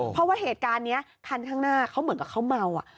เพราะว่าเหตุการณ์นี้คันข้างหน้าเขาเหมือนกับเขาเมา